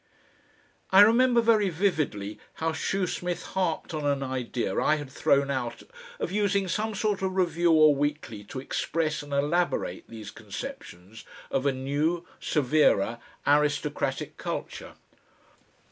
I remember very vividly how Shoesmith harped on an idea I had thrown out of using some sort of review or weekly to express and elaborate these conceptions of a new, severer, aristocratic culture.